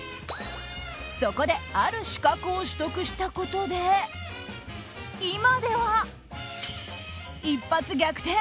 そこで、ある資格を取得したことで今では、一発逆転！